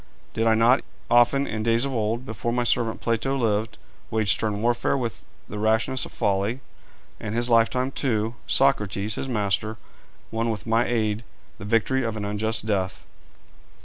Did I not often in days of old, before my servant Plato lived, wage stern warfare with the rashness of folly? In his lifetime, too, Socrates, his master, won with my aid the victory of an unjust death.